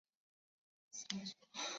减轻受害者的伤痛